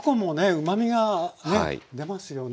うまみがね出ますよね。